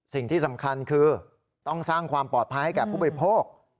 สิ่งที่สำคัญคือต้องสร้างความปลอดภัยให้แก่ผู้บริโภค